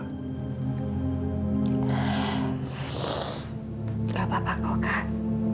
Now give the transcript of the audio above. tidak apa apa kok kak